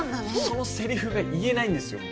そのセリフが言えないんですよ